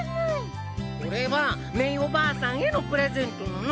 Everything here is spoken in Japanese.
これはメイおばあさんへのプレゼントなの！